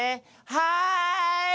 「はい」。